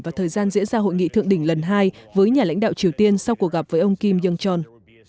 và thời gian diễn ra hội nghị thượng đỉnh lần hai với nhà lãnh đạo triều tiên sau cuộc gặp với ông kim yong john